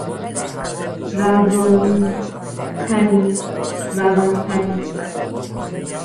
روانی - تنی، روان تنی